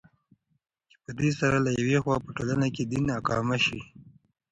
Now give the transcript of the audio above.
چې پدي سره له يوې خوا په ټولنه كې دين اقامه سي